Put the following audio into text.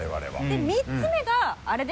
で３つ目があれです。